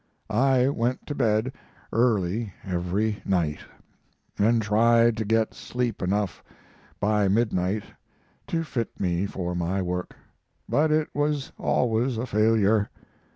I went to bed early every night, and tried to get sleep enough by midnight to fit me for my work, but it was always a failure.